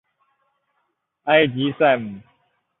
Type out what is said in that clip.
埃吉赛姆。